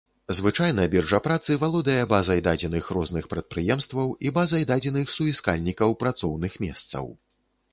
Звычайна біржа працы валодае базай дадзеных розных прадпрыемстваў і базай дадзеных суіскальнікаў працоўных месцаў.